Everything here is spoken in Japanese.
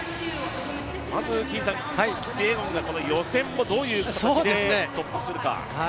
まずキピエゴンが予選をどういう形で突破するか。